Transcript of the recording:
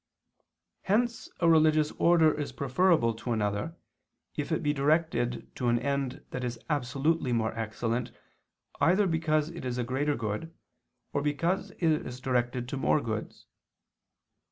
Hence a religious order is preferable to another, if it be directed to an end that is absolutely more excellent either because it is a greater good or because it is directed to more goods.